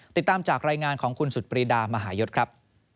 ติดตามจากรายงานของคุณสุดปรีดามหายศครับ